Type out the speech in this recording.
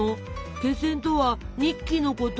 「けせん」とはニッキのこと。